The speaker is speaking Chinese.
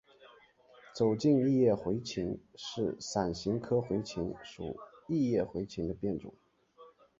走茎异叶茴芹是伞形科茴芹属异叶茴芹的变种。